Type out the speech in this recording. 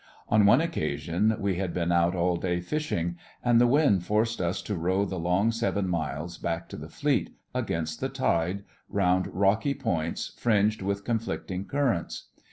On one occasion we had been out all day fishing, and the wind forced us to row the long seven miles back to the fleet, against the tide, round rocky points fringed with conflicting currents.